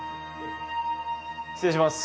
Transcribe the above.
失礼します。